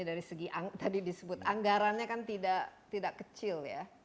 dan bagaimana ini dari segi anggarannya kan tidak kecil ya